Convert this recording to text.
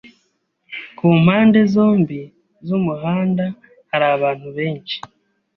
Ku mpande zombi z'umuhanda hari abantu benshi.